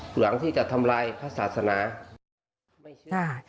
หลังที่จะทำลายภาษาศาสนา